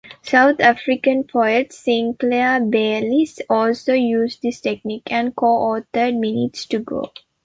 South African poet Sinclair Beiles also used this technique and co-authored "Minutes To Go".